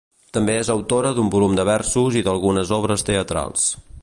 També és autora d'un volum de versos i d'algunes obres teatrals.